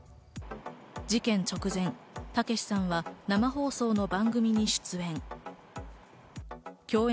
事件直前、たけしさんは生放送の番組に出演。